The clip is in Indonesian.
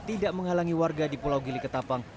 tidak menghalangi warga di pulau gili ketapang